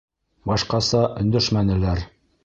Башҡаса өндәшмәнеләр.